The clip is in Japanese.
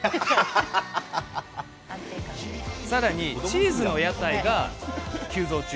さらに、チーズの屋台が急増中。